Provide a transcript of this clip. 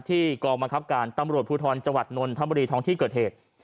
ที่กองมันครับการตำรวจภูทรจวัตรนทรธรรมดีท้องที่เกิดเหตุ